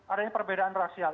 adanya perbedaan rasial